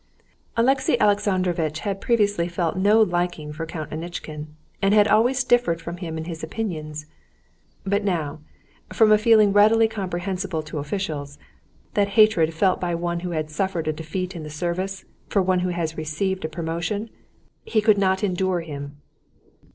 Alexey Alexandrovitch had previously felt no liking for Count Anitchkin, and had always differed from him in his opinions. But now, from a feeling readily comprehensible to officials—that hatred felt by one who has suffered a defeat in the service for one who has received a promotion, he could not endure him.